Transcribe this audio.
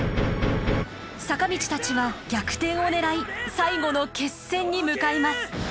坂道たちは逆転を狙い最後の決戦に向かいます。